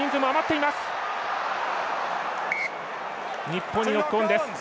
日本にノックオンです。